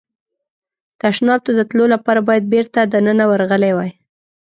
تشناب ته د تلو لپاره باید بېرته دننه ورغلی وای.